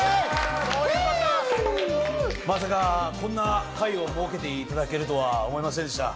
まさかこんな会を設けて頂けるとは思いませんでした。